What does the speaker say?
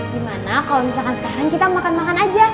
gimana kalau misalkan sekarang kita makan makan aja